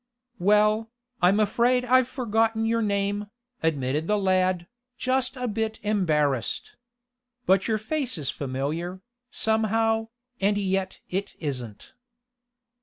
"Well, I'm afraid I've forgotten your name," admitted the lad, just a bit embarrassed. "But your face is familiar, somehow, and yet it isn't."